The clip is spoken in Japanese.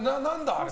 あれ。